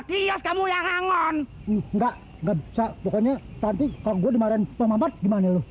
kamu yang anggon nggak nggak bisa pokoknya tadi kalau gue dimarahin pemamat gimana lu